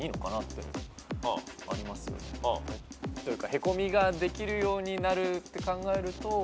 へこみができるようになるって考えると蜂の巣。